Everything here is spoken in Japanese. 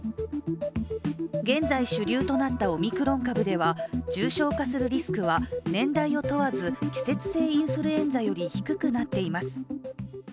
現在、主流となったオミクロン株では重症化するリスクは、年代を問わず季節性インフルエンザより低くなっています。